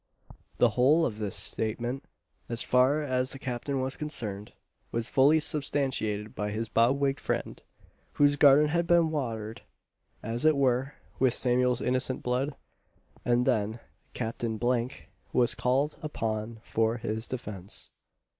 The whole of his statement, as far as the Captain was concerned, was fully substantiated by his bob wigg'd friend, whose garden had been watered, as it were, with Samuel's innocent blood; and then, Captain F was called upon for his defence.